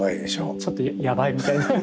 ちょっとやばいみたいな。